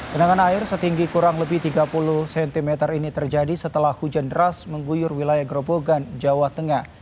genangan air setinggi kurang lebih tiga puluh cm ini terjadi setelah hujan deras mengguyur wilayah grobogan jawa tengah